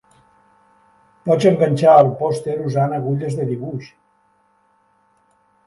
Pots enganxar el pòster usant agulles de dibuix